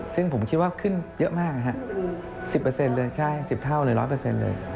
ซึ่งผมคิดว่าขึ้นเยอะมาก๑๐เลยใช่๑๐เท่าเลย๑๐๐เลย